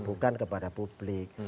bukan kepada publik